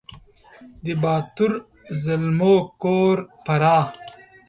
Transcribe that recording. د باتور زلمو کور فراه